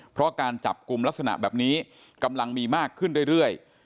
เพราะการจับกลุ่มลักษณะแบบนี้กำลังมีมากขึ้นเรื่อย